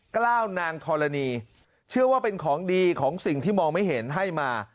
กล้าวนางธรณีเชื่อว่าเป็นของดีของสิ่งที่มองไม่เห็นให้มา